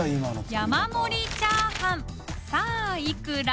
山盛りチャーハンさぁいくら？